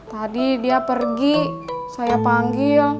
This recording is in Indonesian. tadi dia pergi saya panggil